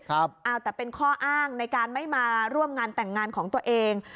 แต่เป็นข้ออ้างในการไม่มาร่วมงานแต่งงานของตัวเอง